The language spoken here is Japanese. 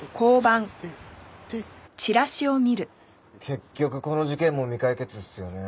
結局この事件も未解決っすよね。